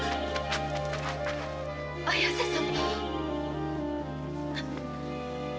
綾瀬様！